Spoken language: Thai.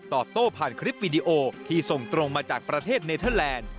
โต้ผ่านคลิปวิดีโอที่ส่งตรงมาจากประเทศเนเทอร์แลนด์